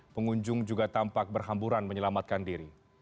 pengunjung juga tampak berhamburan menyelamatkan diri